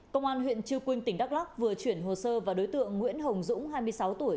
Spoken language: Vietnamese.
công an huyện chư quynh tỉnh đắk lắc vừa chuyển hồ sơ và đối tượng nguyễn hồng dũng hai mươi sáu tuổi